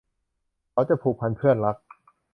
เขาจะผูกพัน เพื่อนรัก